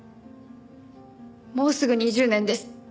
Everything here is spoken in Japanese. もうすぐ２０年です。